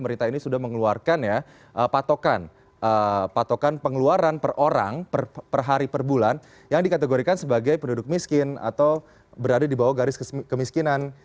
pemerintah ini sudah mengeluarkan ya patokan pengeluaran per orang per hari per bulan yang dikategorikan sebagai penduduk miskin atau berada di bawah garis kemiskinan